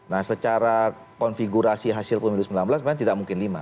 nah secara konfigurasi hasil pemilu sembilan belas memang tidak mungkin lima